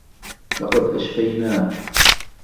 لقد أشفيناه!